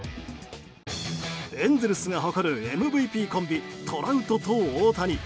エンゼルスが誇るＭＶＰコンビトラウトと大谷。